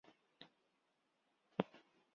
种子可以作成项炼当作装饰品。